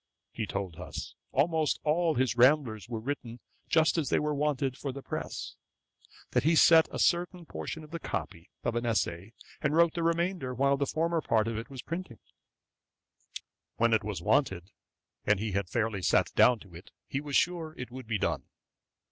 He told us, 'almost all his Ramblers were written just as they were wanted for the press; that he sent a certain portion of the copy of an essay, and wrote the remainder, while the former part of it was printing. When it was wanted, and he had fairly sat down to it, he was sure it would be done.'